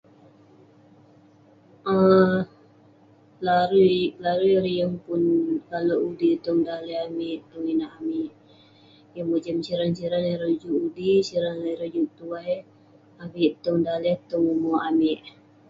um larui- larui ireh yeng pun kale' tong daleh amik, tong inak amik. Yeng mojam siran siran ireh juk udi, siran ireh juk tuai avik tong daleh tong ume' amik.